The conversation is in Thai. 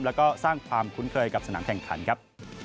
แล้วก็สร้างความคุ้นเคยกับสนามแข่งขันครับ